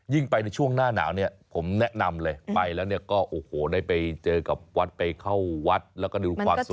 ไปในช่วงหน้าหนาวเนี่ยผมแนะนำเลยไปแล้วเนี่ยก็โอ้โหได้ไปเจอกับวัดไปเข้าวัดแล้วก็ดูความสวย